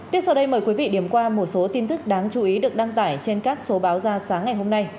tiếp sau đây mời quý vị điểm qua một số tin tức đáng chú ý được đăng tải trên các số báo ra sáng ngày hôm nay